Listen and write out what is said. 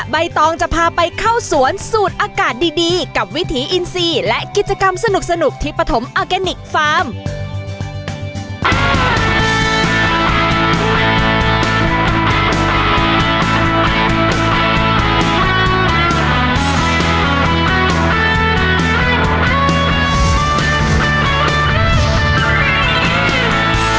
ใบตองจะพาไปเข้าสวนสูตรอากาศดีกับวิถีอินซีและกิจกรรมสนุกที่ปฐมออร์แกนิคฟาร์ม